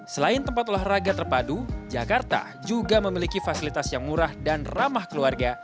selain tempat olahraga terpadu jakarta juga memiliki fasilitas yang murah dan ramah keluarga